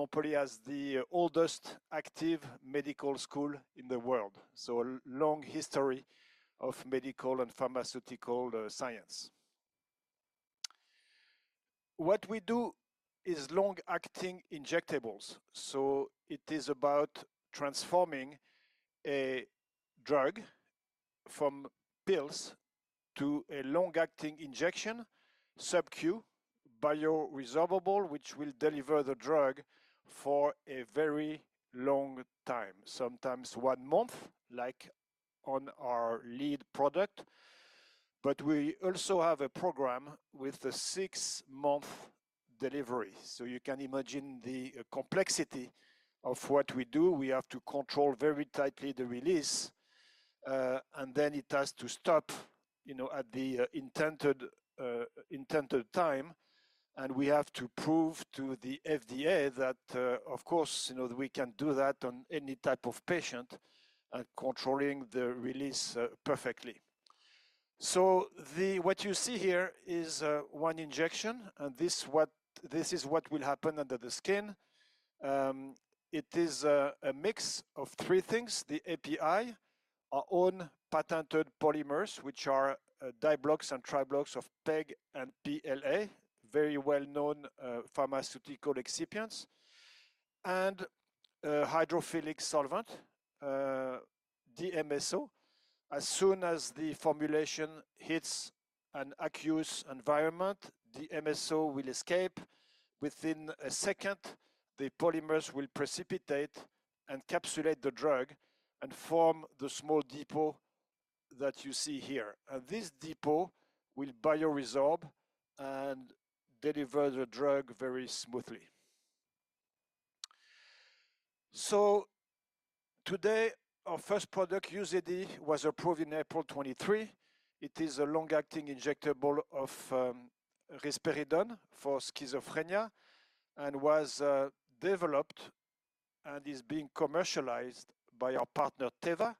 Montpellier has the oldest active medical school in the world, so a long history of medical and pharmaceutical science. What we do is long-acting injectables, so it is about transforming a drug from pills to a long-acting injection, sub-Q, bioresorbable, which will deliver the drug for a very long time, sometimes one month, like on our lead product. We also have a program with a six-month delivery, so you can imagine the complexity of what we do. We have to control very tightly the release, and then it has to stop at the intended time, and we have to prove to the FDA that, of course, we can do that on any type of patient and controlling the release perfectly. What you see here is one injection, and this is what will happen under the skin. It is a mix of three things: the API, our own patented polymers, which are diblocks and triblocks of PEG and PLA, very well-known pharmaceutical excipients, and hydrophilic solvent, the MSO. As soon as the formulation hits an aqueous environment, the MSO will escape. Within a second, the polymers will precipitate and capsulate the drug and form the small depot that you see here. This depot will bioresorb and deliver the drug very smoothly. Today, our first product, UZEDY, was approved in April 2023. It is a long-acting injectable of risperidone for schizophrenia and was developed and is being commercialized by our partner, Teva.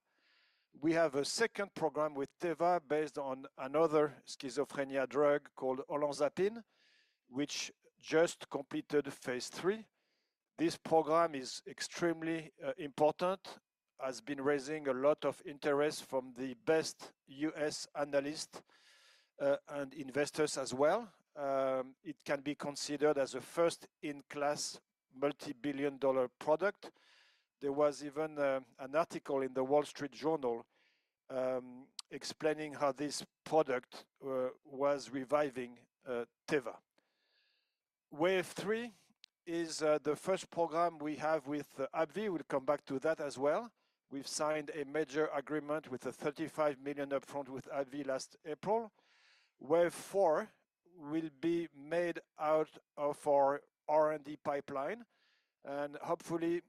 We have a second program with Teva based on another schizophrenia drug called olanzapine, which just completed phase three. This program is extremely important, has been raising a lot of interest from the best U.S. analysts and investors as well. It can be considered as a first-in-class multi-billion-dollar product. There was even an article in the Wall Street Journal explaining how this product was reviving Teva. Wave three is the first program we have with AbbVie. We'll come back to that as well. We've signed a major agreement with a $35 million upfront with AbbVie last April. Wave four will be made out of our R&D pipeline, and hopefully,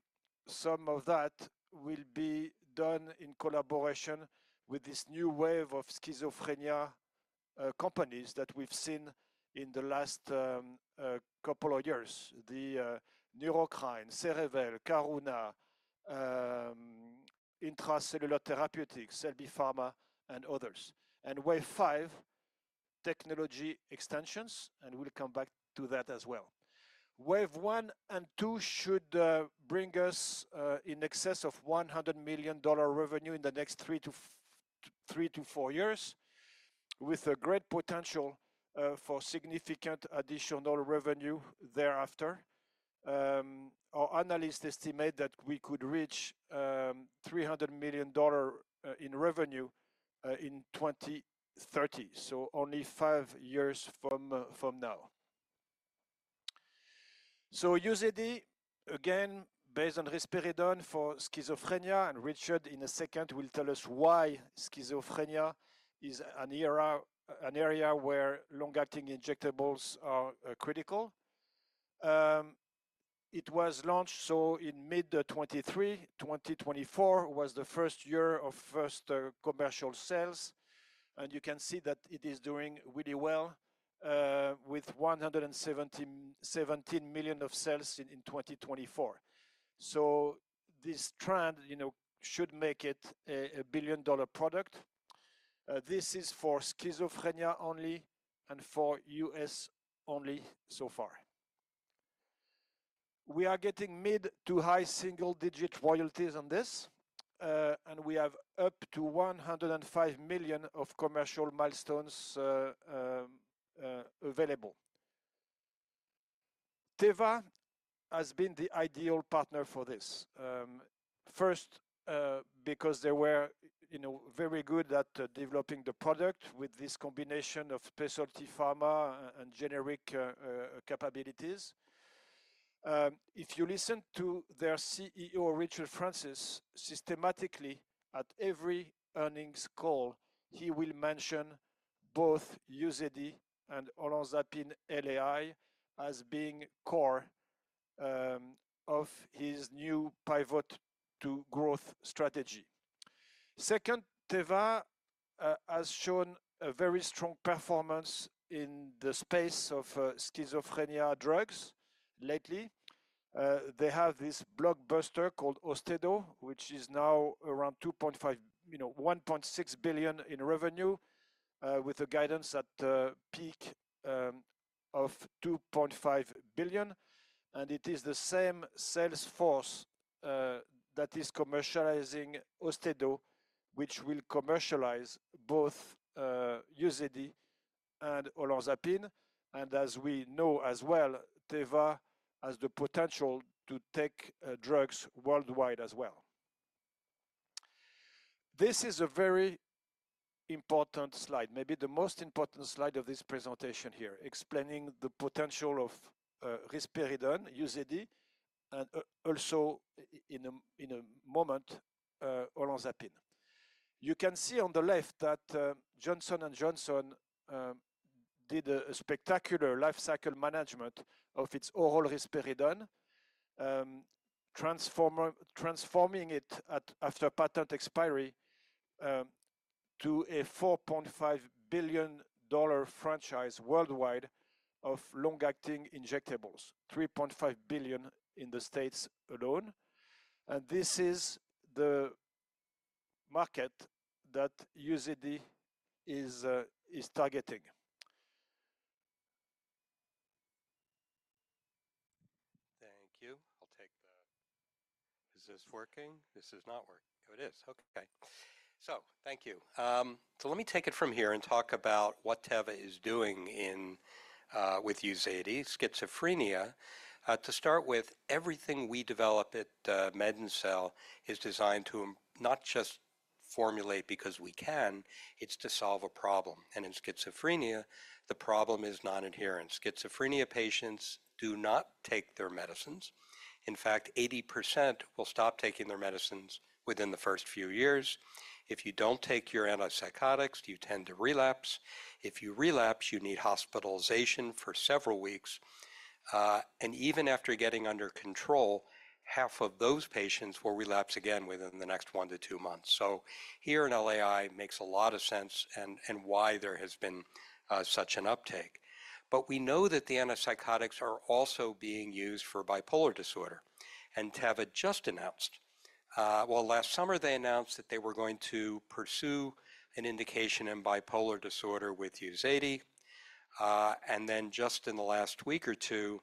some of that will be done in collaboration with this new wave of schizophrenia companies that we've seen in the last couple of years: NeuroCrine, Cerevel, Karuna, Intra-Cellular Therapies, CellbiPharma, and others. Wave five, technology extensions, and we'll come back to that as well. Wave one and two should bring us in excess of $100 million revenue in the next three to four years, with a great potential for significant additional revenue thereafter. Our analysts estimate that we could reach $300 million in revenue in 2030, so only five years from now. UZEDY, again, based on risperidone for schizophrenia, and Richard in a second will tell us why schizophrenia is an area where long-acting injectables are critical. It was launched in mid-2023. 2024 was the first year of first commercial sales, and you can see that it is doing really well with $117 million sales in 2024. This trend should make it a billion-dollar product. This is for schizophrenia only and for U.S. only so far. We are getting mid to high single-digit royalties on this, and we have up to $105 million of commercial milestones available. Teva has been the ideal partner for this, first because they were very good at developing the product with this combination of specialty pharma and generic capabilities. If you listen to their CEO, Richard Francis, systematically at every earnings call, he will mention both UZEDY and olanzapine LAI as being core of his new pivot to growth strategy. Second, Teva has shown a very strong performance in the space of schizophrenia drugs lately. They have this blockbuster called Austedo, which is now around $1.6 billion in revenue, with a guidance at peak of $2.5 billion. It is the same sales force that is commercializing Austedo, which will commercialize both UZEDY and olanzapine. As we know as well, Teva has the potential to take drugs worldwide as well. This is a very important slide, maybe the most important slide of this presentation here, explaining the potential of risperidone, UZEDY, and also in a moment, olanzapine. You can see on the left that Johnson & Johnson did a spectacular life cycle management of its oral risperidone, transforming it after patent expiry to a $4.5 billion franchise worldwide of long-acting injectables, $3.5 billion in the United States alone. This is the market that UZEDY is targeting. Thank you. I'll take the... Is this working? This is not working. Oh, it is. Okay. So thank you. Let me take it from here and talk about what Teva is doing with UZEDY, schizophrenia. To start with, everything we develop at MedinCell is designed to not just formulate because we can, it's to solve a problem. In schizophrenia, the problem is non-adherence. Schizophrenia patients do not take their medicines. In fact, 80% will stop taking their medicines within the first few years. If you don't take your antipsychotics, you tend to relapse. If you relapse, you need hospitalization for several weeks. Even after getting under control, half of those patients will relapse again within the next one to two months. Here in LAI, it makes a lot of sense and why there has been such an uptake. We know that the antipsychotics are also being used for bipolar disorder. Teva just announced, last summer they announced that they were going to pursue an indication in bipolar disorder with UZEDY. In the last week or two,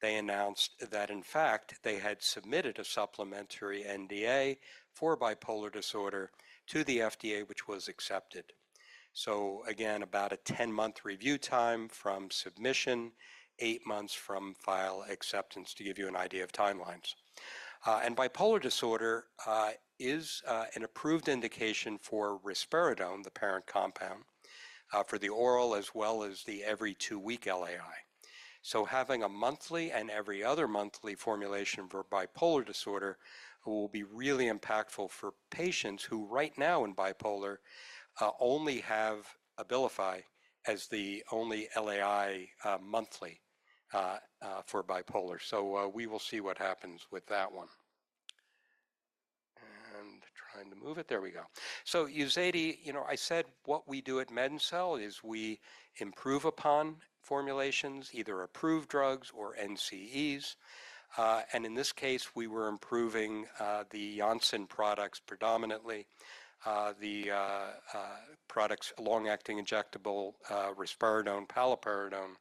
they announced that, in fact, they had submitted a supplementary NDA for bipolar disorder to the FDA, which was accepted. Again, about a 10-month review time from submission, eight months from file acceptance, to give you an idea of timelines. Bipolar disorder is an approved indication for risperidone, the parent compound, for the oral as well as the every two-week LAI. Having a monthly and every other monthly formulation for bipolar disorder will be really impactful for patients who right now in bipolar only have Abilify as the only LAI monthly for bipolar. We will see what happens with that one. Trying to move it. There we go. UZEDY, I said what we do at MedinCell is we improve upon formulations, either approved drugs or NCEs. In this case, we were improving the Janssen products predominantly, the products, long-acting injectable, risperidone, paliperidone.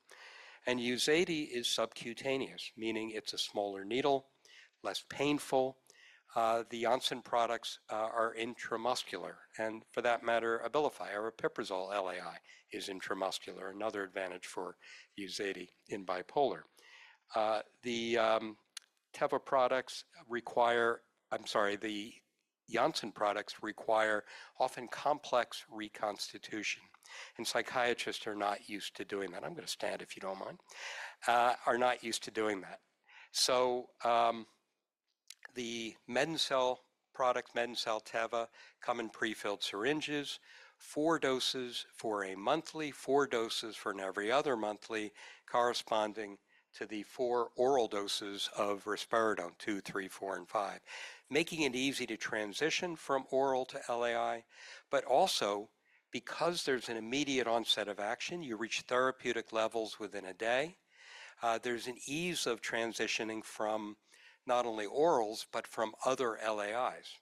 UZEDY is subcutaneous, meaning it's a smaller needle, less painful. The Janssen products are intramuscular. For that matter, Abilify or aripiprazole LAI is intramuscular, another advantage for UZEDY in bipolar. The Teva products require, I'm sorry, the Janssen products require often complex reconstitution. Psychiatrists are not used to doing that. I'm going to stand if you don't mind, are not used to doing that. The MedinCell products, MedinCell Teva, come in prefilled syringes, four doses for a monthly, four doses for an every other monthly, corresponding to the four oral doses of risperidone, two, three, four, and five, making it easy to transition from oral to LAI. Also, because there is an immediate onset of action, you reach therapeutic levels within a day. There is an ease of transitioning from not only orals, but from other LAIs.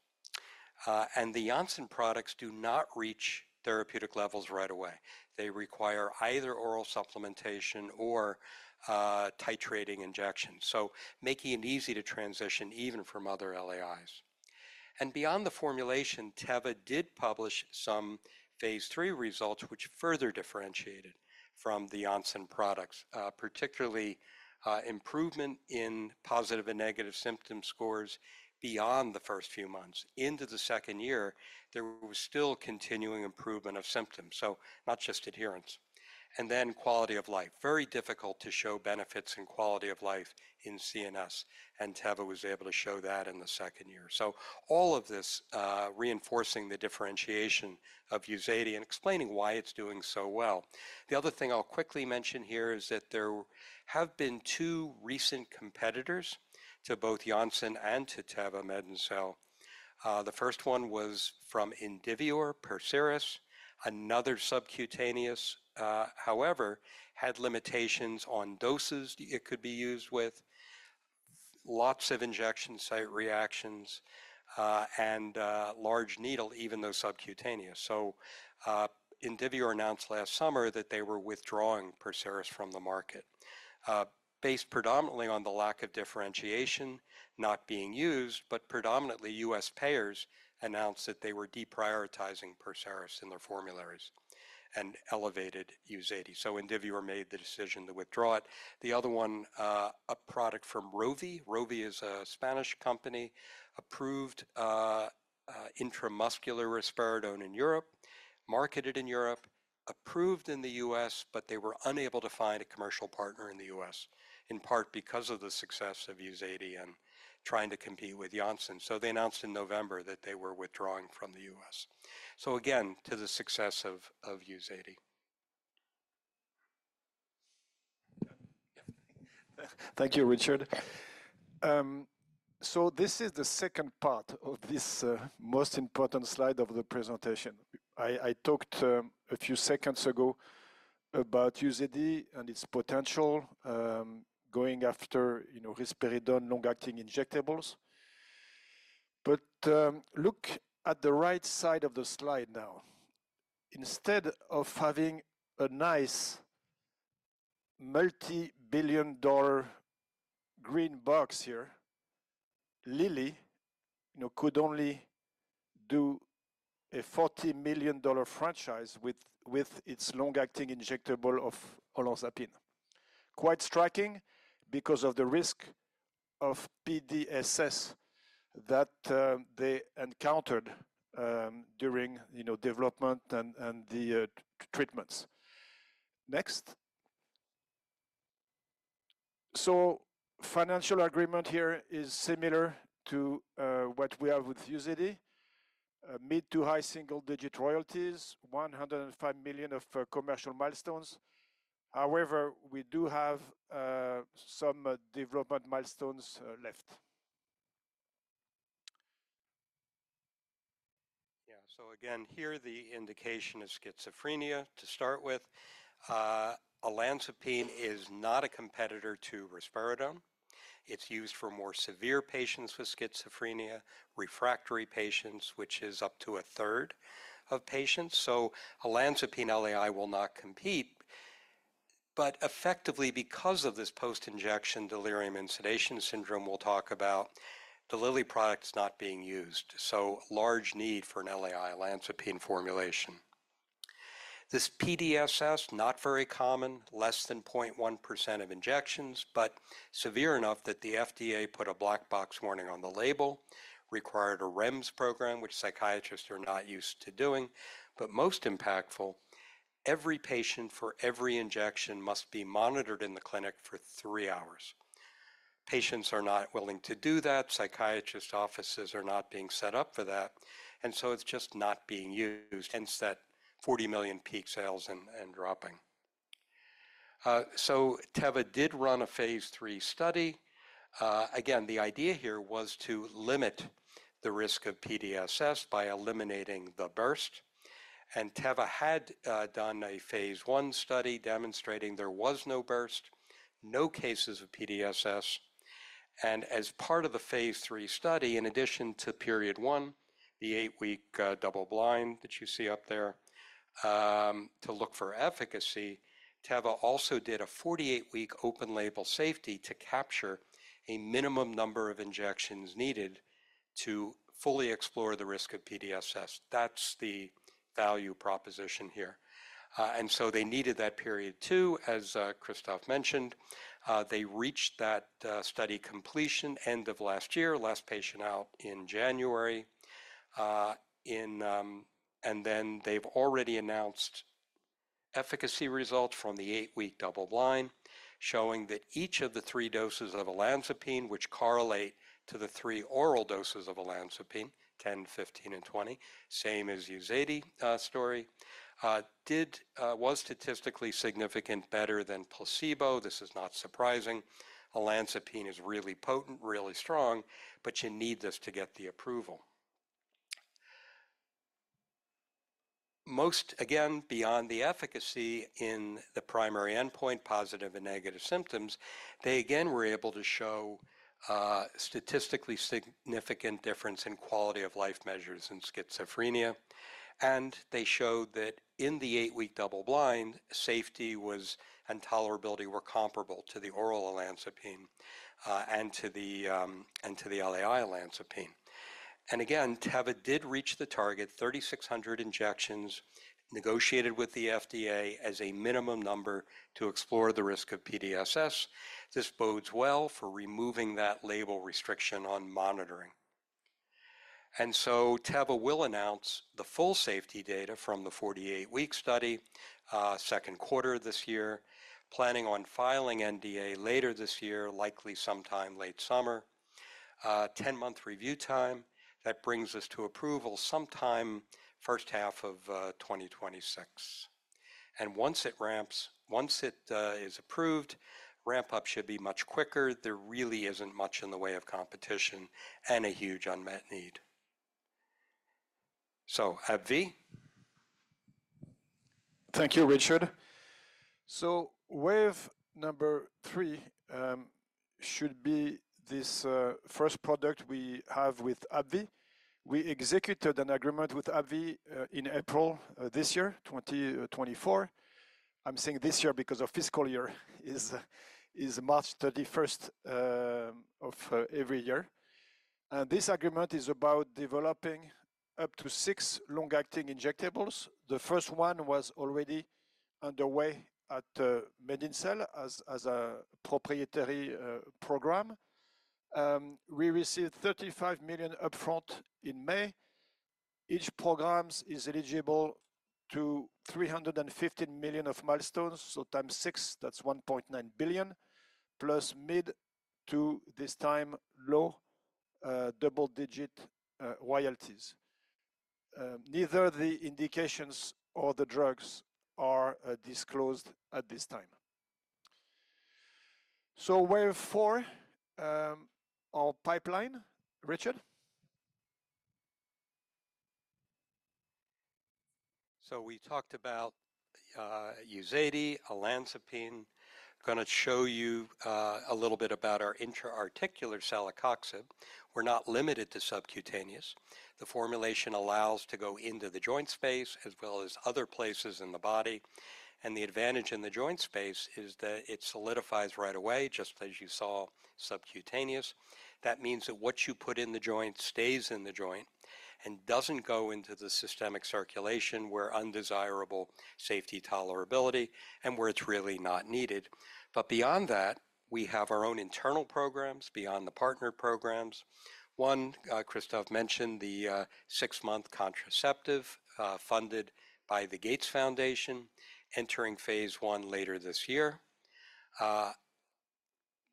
The Janssen products do not reach therapeutic levels right away. They require either oral supplementation or titrating injections, so making it easy to transition even from other LAIs. Beyond the formulation, Teva did publish some phase three results, which further differentiated from the Janssen products, particularly improvement in positive and negative symptom scores beyond the first few months. Into the second year, there was still continuing improvement of symptoms, so not just adherence. Then quality of life, very difficult to show benefits in quality of life in CNS, and Teva was able to show that in the second year. All of this reinforcing the differentiation of UZEDY and explaining why it's doing so well. The other thing I'll quickly mention here is that there have been two recent competitors to both Janssen and to Teva MedinCell. The first one was from Indivior, Perseris, another subcutaneous. However, had limitations on doses it could be used with, lots of injection site reactions, and large needle, even though subcutaneous. Indivior announced last summer that they were withdrawing Perseris from the market, based predominantly on the lack of differentiation not being used, but predominantly U.S. payers announced that they were deprioritizing Perseris in their formularies and elevated UZEDY. Indivior made the decision to withdraw it. The other one, a product from Rovi. Rovi is a Spanish company, approved intramuscular risperidone in Europe, marketed in Europe, approved in the U.S., but they were unable to find a commercial partner in the U.S., in part because of the success of UZEDY and trying to compete with Janssen. They announced in November that they were withdrawing from the U.S. Again, to the success of UZEDY. Thank you, Richard. This is the second part of this most important slide of the presentation. I talked a few seconds ago about UZEDY and its potential going after risperidone long-acting injectables. Look at the right side of the slide now. Instead of having a nice multi-billion dollar green box here, Lilly could only do a $40 million franchise with its long-acting injectable of olanzapine. Quite striking because of the risk of PDSS that they encountered during development and the treatments. Next. The financial agreement here is similar to what we have with UZEDY, mid to high single-digit royalties, $105 million of commercial milestones. However, we do have some development milestones left. Yeah. So again, here the indication of schizophrenia to start with. Olanzapine is not a competitor to risperidone. It's used for more severe patients with schizophrenia, refractory patients, which is up to a third of patients. Olanzapine LAI will not compete. Effectively, because of this post-injection delirium and sedation syndrome we'll talk about, the Lilly product is not being used. Large need for an LAI olanzapine formulation. This PDSS, not very common, less than 0.1% of injections, but severe enough that the FDA put a black box warning on the label, required a REMS program, which psychiatrists are not used to doing. Most impactful, every patient for every injection must be monitored in the clinic for three hours. Patients are not willing to do that. Psychiatrist offices are not being set up for that. It's just not being used. Hence that $40 million peak sales and dropping. Teva did run a phase three study. Again, the idea here was to limit the risk of PDSS by eliminating the burst. Teva had done a phase one study demonstrating there was no burst, no cases of PDSS. As part of the phase three study, in addition to period one, the eight-week double-blind that you see up there to look for efficacy, Teva also did a 48-week open label safety to capture a minimum number of injections needed to fully explore the risk of PDSS. That is the value proposition here. They needed that period two, as Christophe mentioned. They reached that study completion end of last year, last patient out in January. They've already announced efficacy results from the eight-week double-blind, showing that each of the three doses of olanzapine, which correlate to the three oral doses of olanzapine, 10, 15, and 20, same as UZEDY story, was statistically significant better than placebo. This is not surprising. Olanzapine is really potent, really strong, but you need this to get the approval. Most, again, beyond the efficacy in the primary endpoint, positive and negative symptoms, they again were able to show statistically significant difference in quality of life measures in schizophrenia. They showed that in the eight-week double-blind, safety and tolerability were comparable to the oral olanzapine and to the LAI olanzapine. Teva did reach the target, 3,600 injections negotiated with the FDA as a minimum number to explore the risk of PDSS. This bodes well for removing that label restriction on monitoring. Teva will announce the full safety data from the 48-week study Second Quarter of this year, planning on filing NDA later this year, likely sometime late summer, 10-month review time. That brings us to approval sometime first half of 2026. Once it ramps, once it is approved, ramp-up should be much quicker. There really is not much in the way of competition and a huge unmet need. AbbVie. Thank you, Richard. Wave number three should be this first product we have with AbbVie. We executed an agreement with AbbVie in April this year, 2024. I'm saying this year because our fiscal year is March 31 of every year. This agreement is about developing up to six long-acting injectables. The first one was already underway at MedinCell as a proprietary program. We received $35 million upfront in May. Each program is eligible to $315 million of milestones. Times six, that's $1.9 billion, plus mid to this time low double-digit royalties. Neither the indications or the drugs are disclosed at this time. Wave four of pipeline, Richard. We talked about UZEDY, olanzapine. I'm going to show you a little bit about our intra-articular celecoxib. We're not limited to subcutaneous. The formulation allows to go into the joint space as well as other places in the body. The advantage in the joint space is that it solidifies right away, just as you saw subcutaneous. That means that what you put in the joint stays in the joint and doesn't go into the systemic circulation where undesirable safety tolerability and where it's really not needed. Beyond that, we have our own internal programs beyond the partner programs. One, Christophe mentioned the six-month contraceptive funded by the Gates Foundation, entering phase one later this year,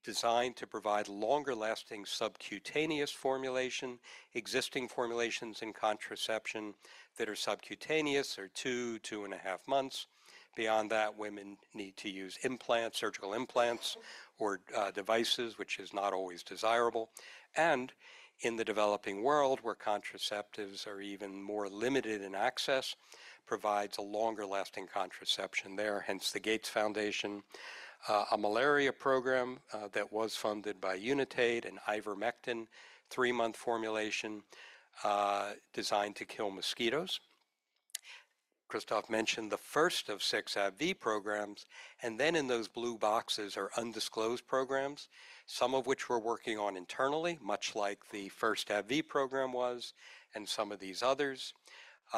designed to provide longer-lasting subcutaneous formulation. Existing formulations in contraception that are subcutaneous are two, two and a half months. Beyond that, women need to use implants, surgical implants, or devices, which is not always desirable. In the developing world, where contraceptives are even more limited in access, provides a longer-lasting contraception there. Hence the Gates Foundation, a malaria program that was funded by UnitAid and Ivermectin, three-month formulation designed to kill mosquitoes. Christophe mentioned the first of six AbbVie programs. In those blue boxes are undisclosed programs, some of which we're working on internally, much like the first AbbVie program was, and some of these others.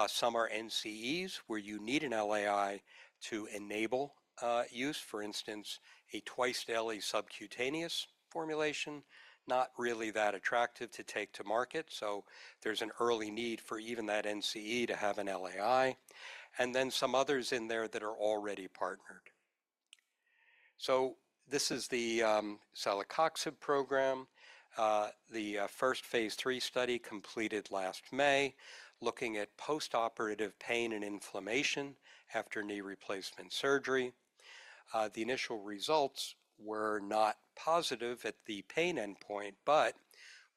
Some are NCEs where you need an LAI to enable use, for instance, a twice daily subcutaneous formulation, not really that attractive to take to market. There is an early need for even that NCE to have an LAI. Some others in there are already partnered. This is the celecoxib program. The first phase three study completed last May, looking at post-operative pain and inflammation after knee replacement surgery. The initial results were not positive at the pain endpoint, but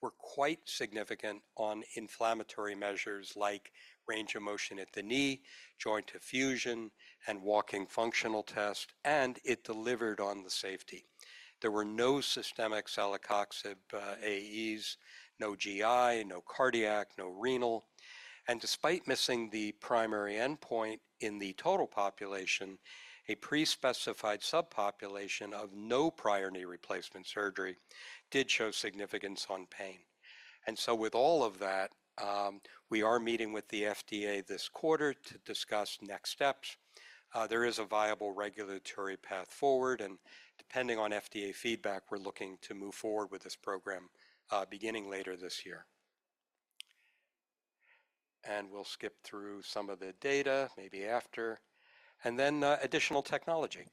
were quite significant on inflammatory measures like range of motion at the knee, joint effusion, and walking functional test. It delivered on the safety. There were no systemic celecoxib AEs, no GI, no cardiac, no renal. Despite missing the primary endpoint in the total population, a pre-specified subpopulation of no prior knee replacement surgery did show significance on pain. With all of that, we are meeting with the FDA this Quarter to discuss next steps. There is a viable regulatory path forward. Depending on FDA feedback, we're looking to move forward with this program beginning later this year. We'll skip through some of the data maybe after. Then additional technology.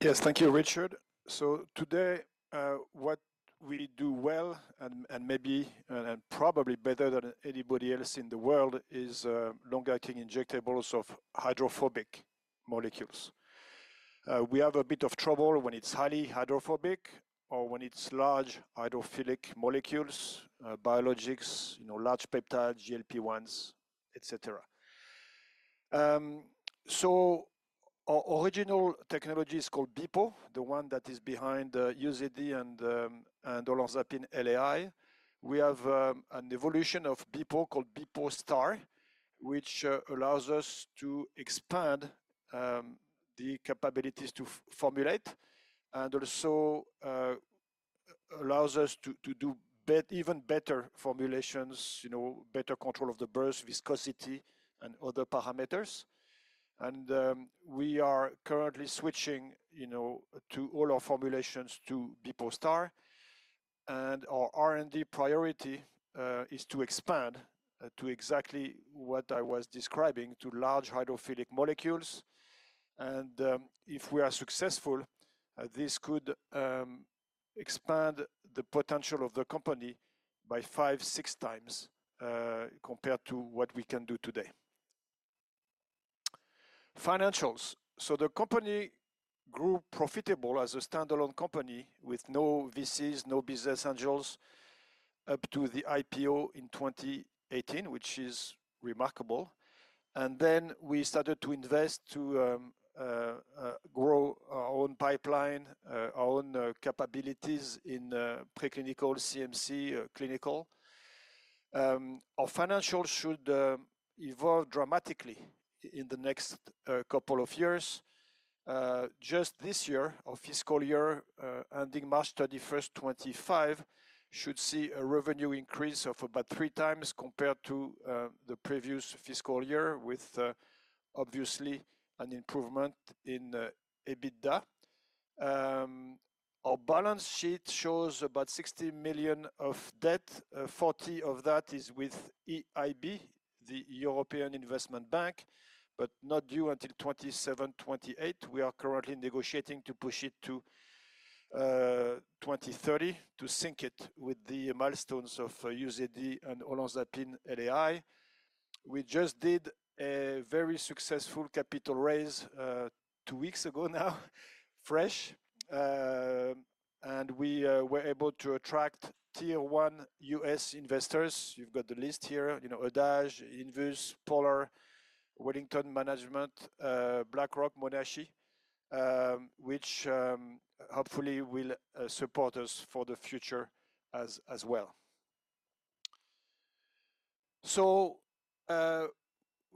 Yes, thank you, Richard. Today, what we do well and maybe probably better than anybody else in the world is long-acting injectables of hydrophobic molecules. We have a bit of trouble when it's highly hydrophobic or when it's large hydrophilic molecules, biologics, large peptides, GLP-1s, et cetera. Our original technology is called BEPO, the one that is behind UZEDY and olanzapine LAI. We have an evolution of BEPO called BEPO-STAR, which allows us to expand the capabilities to formulate and also allows us to do even better formulations, better control of the burst, viscosity, and other parameters. We are currently switching all our formulations to BEPO-STAR. Our R&D priority is to expand to exactly what I was describing, to large hydrophilic molecules. If we are successful, this could expand the potential of the company by five, six times compared to what we can do today. Financials. The company grew profitable as a standalone company with no VCs, no business angels, up to the IPO in 2018, which is remarkable. Then we started to invest to grow our own pipeline, our own capabilities in preclinical, CMC, clinical. Our financials should evolve dramatically in the next couple of years. Just this year, our fiscal year ending March 31, 2025, should see a revenue increase of about three times compared to the previous fiscal year, with obviously an improvement in EBITDA. Our balance sheet shows about $60 million of debt. $40 million of that is with EIB, the European Investment Bank, but not due until 2027-2028. We are currently negotiating to push it to 2030 to sync it with the milestones of UZEDY and olanzapine LAI. We just did a very successful capital raise two weeks ago now, fresh. We were able to attract tier one U.S. investors. You've got the list here, Adage, Invus, Polar, Wellington Management, BlackRock, Monashi, which hopefully will support us for the future as well.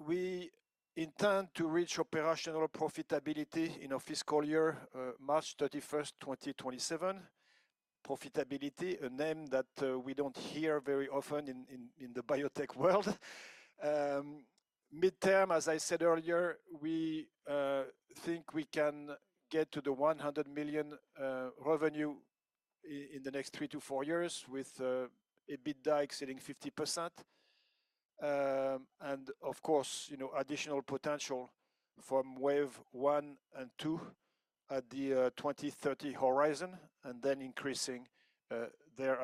We intend to reach operational profitability in our fiscal year, March 31, 2027. Profitability, a name that we don't hear very often in the biotech world. Midterm, as I said earlier, we think we can get to the $100 million revenue in the next three to four years with EBITDA exceeding 50%. Of course, additional potential from wave one and two at the 2030 horizon and then increasing there.